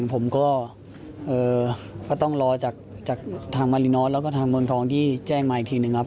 ผมก็ต้องรอจากทางมารินอสแล้วก็ทางเมืองทองที่แจ้งมาอีกทีหนึ่งครับ